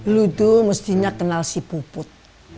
lu tuh mestinya kenal si puput